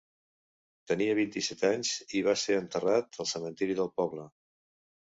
Tenia vint-i-set anys i va ser enterrat al cementiri del poble.